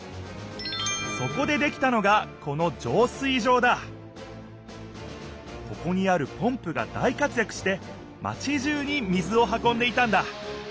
そこでできたのがこのここにあるポンプが大活やくしてマチじゅうに水を運んでいたんだ。